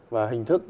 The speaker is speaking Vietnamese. và hình thức